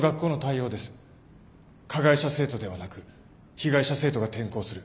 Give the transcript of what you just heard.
加害者生徒ではなく被害者生徒が転校する。